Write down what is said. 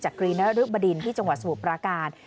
กรีนรึบดินที่จังหวัดสมุทรปราการ